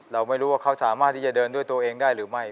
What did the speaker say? เราไม่รู้ว่าเขาสามารถที่จะเดินด้วยตัวเองได้หรือไม่